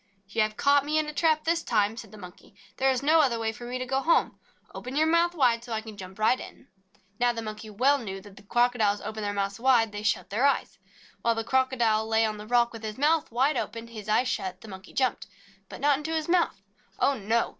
"You have caught me in a trap this time," said the Monkey. "There is no other way for me to go home. Open your mouth wide so I can jump right into it." The Monkey jumped. 8 THE MONKEY AND THE CROCODILE Now the Monkey well knew that when Crocodiles open their mouths wide, they shut their eyes. While the Crocodile lay on the rock with his mouth wide open and his eyes shut, the Monkey jumped. But not into his mouth! Oh, no!